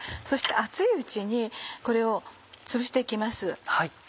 そして熱いうちにこれをつぶして行きます。